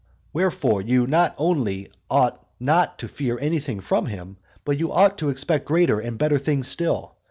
Wherefore you not only ought not to fear anything from him, but you ought to expect greater and better things still.